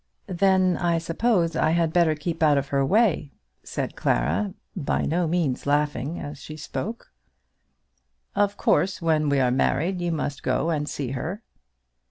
"Then I suppose I had better keep out of her way," said Clara, by no means laughing as she spoke. "Of course when we are married you must go and see her."